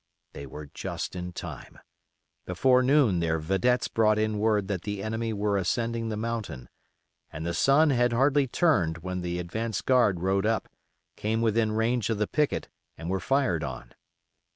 They were just in time. Before noon their vedettes brought in word that the enemy were ascending the mountain, and the sun had hardly turned when the advance guard rode up, came within range of the picket, and were fired on.